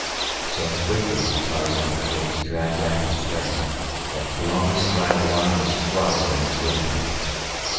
So quickly did Tarzan of the Apes drag back his prey that Kulonga's cry of alarm was throttled in his windpipe.